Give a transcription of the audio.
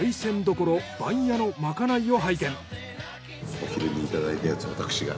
お昼にいただいたやつを私が。